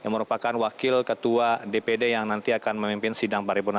merupakan wakil ketua dpd yang nanti akan memimpin sidang paripurna